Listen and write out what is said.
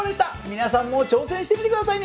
皆さんも挑戦してみて下さいね。